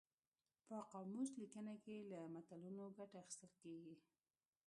په قاموس لیکنه کې له متلونو ګټه اخیستل کیږي